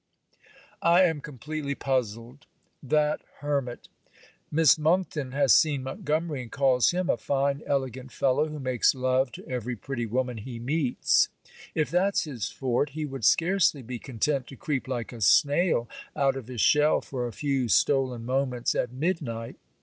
I am completely puzzled. That hermit! Miss Monckton has seen Montgomery, and calls him a fine elegant fellow, who makes love to every pretty woman he meets. If that's his forte, he would scarcely be content to creep like a snail out of his shell for a few stolen moments at midnight.